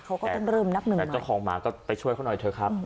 เขาก็ต้องเริ่มนับหนึ่งแต่เจ้าของหมาก็ไปช่วยเขาหน่อยเถอะครับ